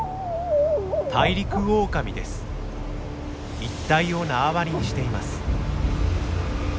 一帯を縄張りにしています。